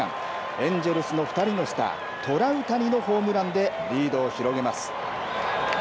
エンジェルスの２人のスター、トラウタニのホームランでリードを広げます。